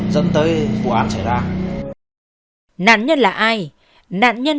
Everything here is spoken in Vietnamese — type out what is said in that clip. dẫn tới vụ án xảy ra